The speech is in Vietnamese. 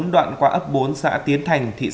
đoạn qua ấp bốn xã tiến thành